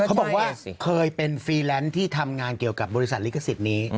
เขาบอกว่าเคยเป็นฟรีแลนซ์ที่ทำงานเกี่ยวกับบริษัทลิขสิทธิ์นี้